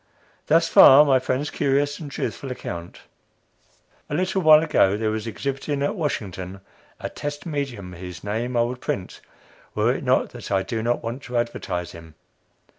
Thus far my friend's curious and truthful account. A little while ago, there was exhibiting, at Washington, a "test medium" whose name I would print, were it not that I do not want to advertise him.